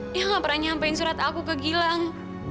dia gak pernah nyampein surat aku ke gilang